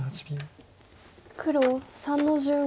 黒３の十五。